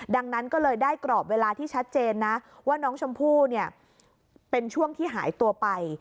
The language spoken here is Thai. ดังนั้นก็เลยได้กรอบเวลาที่ชัดเจนนะว่าน้องชมพู่เนี่ยเป็นช่วงที่หายตัวไป